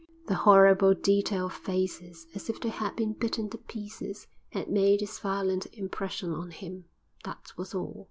The horrible detail of faces "as if they had been bitten to pieces" had made its violent impression on him, that was all.